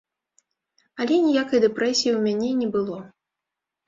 Але ніякай дэпрэсіі ў мяне не было.